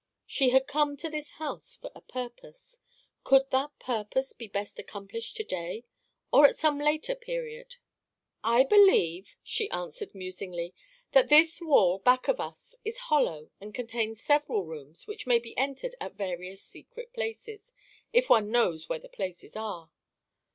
She had come to this house for a purpose. Could that purpose be best accomplished to day, or at some later period? "I believe," she answered musingly, "that this wall back of us is hollow and contains several rooms, which may be entered at various secret places—if one knows where the places are."